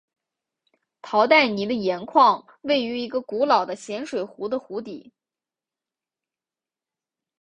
陶代尼的盐矿位于一个古老的咸水湖的湖底。